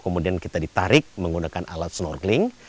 kemudian kita ditarik menggunakan alat snorgling